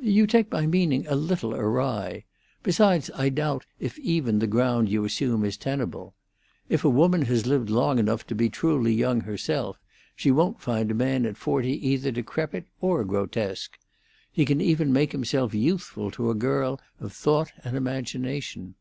"You take my meaning a little awry. Besides, I doubt if even the ground you assume is tenable. If a woman has lived long enough to be truly young herself, she won't find a man at forty either decrepit or grotesque. He can even make himself youthful to a girl of thought and imagination."